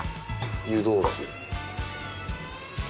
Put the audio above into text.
湯通し。